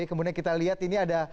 kemudian kita lihat ini ada